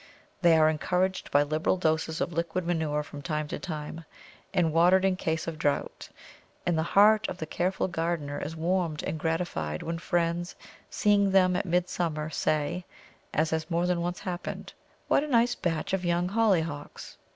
They are encouraged by liberal doses of liquid manure from time to time, and watered in case of drought; and the heart of the careful gardener is warmed and gratified when friends, seeing them at midsummer, say (as has more than once happened), "What a nice batch of young Hollyhocks!"